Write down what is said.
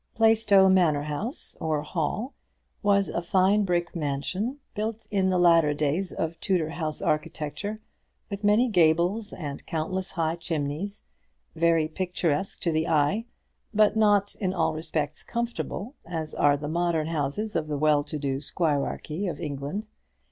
Plaistow Manor house or Hall was a fine brick mansion, built in the latter days of Tudor house architecture, with many gables and countless high chimneys, very picturesque to the eye, but not in all respects comfortable as are the modern houses of the well to do squirearchy of England.